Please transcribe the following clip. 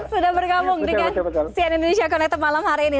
sudah bergabung dengan cn indonesia connected malam hari ini